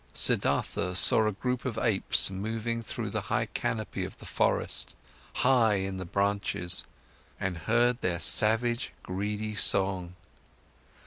Siddhartha saw a group of apes moving through the high canopy of the forest, high in the branches, and heard their savage, greedy song.